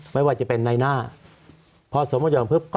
สวัสดีครับทุกคน